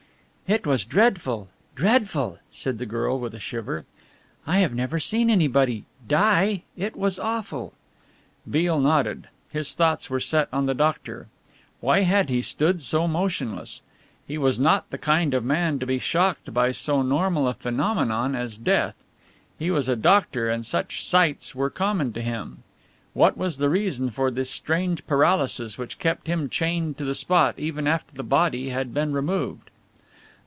"It was dreadful, dreadful," said the girl with a shiver. "I have never seen anybody die. It was awful." Beale nodded. His thoughts were set on the doctor. Why had he stood so motionless? He was not the kind of man to be shocked by so normal a phenomenon as death. He was a doctor and such sights were common to him. What was the reason for this strange paralysis which kept him chained to the spot even after the body had been removed?